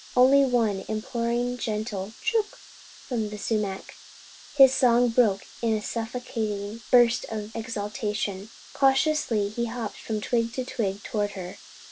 Only one imploring, gentle "Chook!" from the sumac! His song broke in a suffocating burst of exultation. Cautiously he hopped from twig to twig toward her.